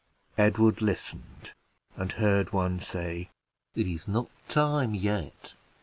Edward listened, and heard one say "It is not time yet!